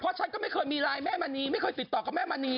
ฉันก็ไม่เคยมีไลน์แม่มณีไม่เคยติดต่อกับแม่มณี